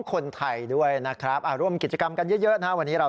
คนไทยด้วยนะครับร่วมกิจกรรมกันเยอะนะครับวันนี้เรา